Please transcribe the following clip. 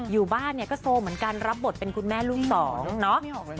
อยู่บ้านเนี่ยก็โซเหมือนกันรับบทเป็นคุณแม่ลูกสองเนาะ